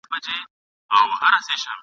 د مور په نس کي د پیرانو پیر وو ..